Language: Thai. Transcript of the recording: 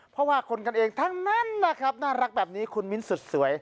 เพราะว่าคนกันเองทั้งนั้นนะครับน่ารักแบบนี้คุณมิ้นสุดสวย